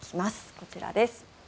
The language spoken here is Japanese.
こちらです。